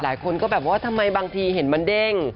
หลายคนก็บางทีแบบบังเทียดมันเด้ง